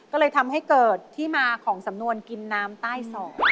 ก็เลยทำให้เกิดที่มาของสำนวนกินน้ำใต้สอ